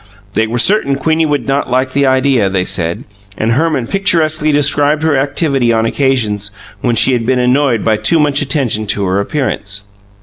They were certain Queenie would not like the idea, they said, and Herman picturesquely described her activity on occasions when she had been annoyed by too much attention to her appearance.